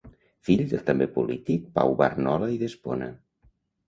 Fill del també polític Pau Barnola i d'Espona.